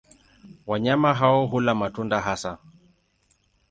Wanyama hao hula matunda hasa.